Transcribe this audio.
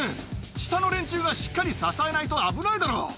下の連中がしっかり支えないと危ないだろう。